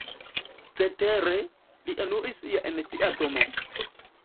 Cetere, li enuis ja en tia domo.